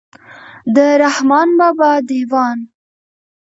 د رحمان بابا دېوان.